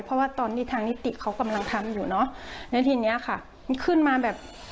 เพราะว่าตอนนี้ทางนิติเขากำลังทำอยู่เนอะแล้วทีเนี้ยค่ะมันขึ้นมาแบบ